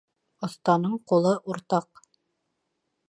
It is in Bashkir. Оҫтаның ҡулы уртаҡ.